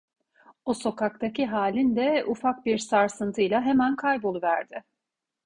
O sokaktaki halin de ufak bir sarsıntıyla hemen kayboluverdi…